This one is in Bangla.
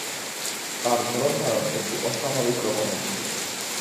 তাঁর ধরন-ধারণ একটু অস্বাভাবিক রকমের ছিল।